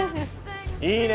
「いいね」